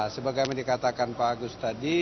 sebagai yang dikatakan pak agus tadi